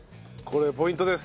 これポイントです。